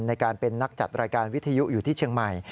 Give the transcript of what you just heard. ในการเป็นนักจัดรายการวิทยุอยู่ที่เชียงใหม่